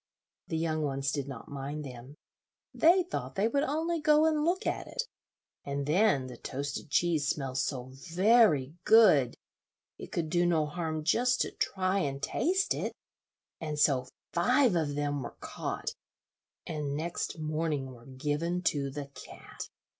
The young ones did not mind them. They thought they would only go and look at it, and then the toasted cheese smelled so very good, it could do no harm just to try and taste it; and so five of them were caught, and next morning were given to the cat.